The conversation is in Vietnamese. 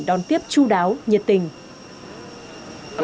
đón tiếp chú đáo nhiệt tình